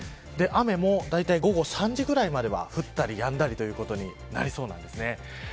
雨も大体午後３時ぐらいまでは降ったりやんだりということになりそうです。